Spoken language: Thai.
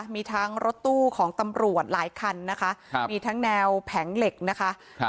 มีทั้งรถตู้ของตำรวจหลายคันนะคะมีทั้งแนวแผงเหล็กนะคะ